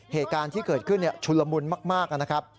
เหตุการณ์ที่เกิดขึ้นชุนละมุนมากนะครับ